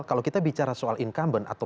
kalau kita bicara soal incumbent atau